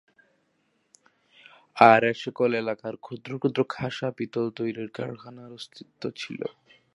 আর এ সকল এলাকার ক্ষুদ্র ক্ষুদ্র কাঁসা-পিতল তৈরীর কারখানার অস্তিত্ব ছিল।